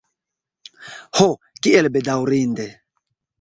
Ho, kiel bedaŭrinde!